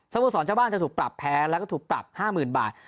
โมสรเจ้าบ้านจะถูกปรับแพ้แล้วก็ถูกปรับ๕๐๐๐บาท